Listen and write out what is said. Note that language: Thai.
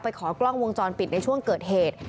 ขอกล้องวงจรปิดในช่วงเกิดเหตุ